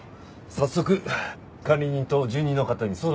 早速管理人と住人の方に相談してきます。